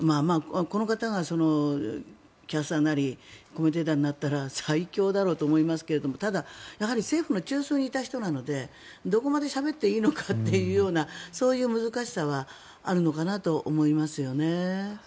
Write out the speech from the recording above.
この方がキャスターになりコメンテーターになったら最強だろうと思いますけどただ、政府の中枢にいた人なのでどこまでしゃべっていいのかというようなそういう難しさはあるのかなと思いますよね。